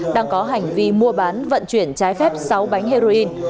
đang có hành vi mua bán vận chuyển trái phép sáu bánh heroin